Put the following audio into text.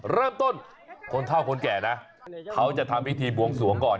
เริ่มต้นคนเท่าคนแก่นะเขาจะทำพิธีบวงสวงก่อน